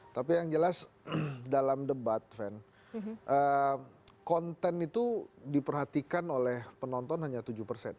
tapi yang jelas dalam debat konten itu diperhatikan oleh penonton hanya tujuh persen